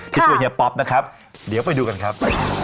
คิดว่าเฮียป๊อปนะครับเดี๋ยวไปดูกันครับ